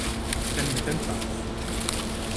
Ça ne m’étonne pas !